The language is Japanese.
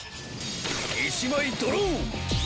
１枚ドロー！